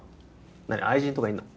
何愛人とかいるの？